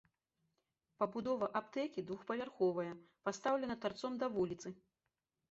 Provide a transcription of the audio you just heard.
Пабудова аптэкі двухпавярховая, пастаўлена тарцом да вуліцы.